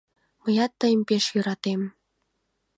Мыят тыйым пеш йӧратем!